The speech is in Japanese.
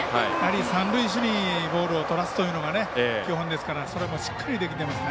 三塁守備にとらすというのが基本ですからそれもしっかりできていますね。